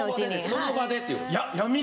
その場でっていう事。